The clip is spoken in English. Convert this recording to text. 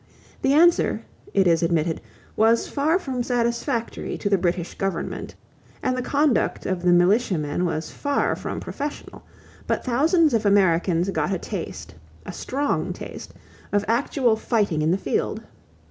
The answer, it is admitted, was far from satisfactory to the British government and the conduct of the militiamen was far from professional; but thousands of Americans got a taste, a strong taste, of actual fighting in the field.